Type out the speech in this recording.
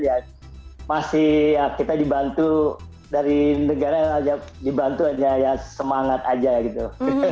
ya masih kita dibantu dari negara yang dibantu hanya semangat aja gitu